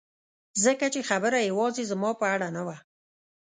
ځکه چې خبره یوازې زما په اړه نه وه